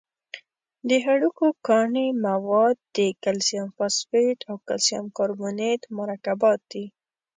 د هډوکو کاني مواد د کلسیم فاسفیټ او کلسیم کاربونیت مرکبات دي.